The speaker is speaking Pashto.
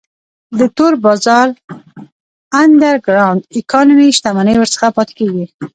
د تور بازار Underground Economy شتمنۍ ورڅخه پاتې کیږي.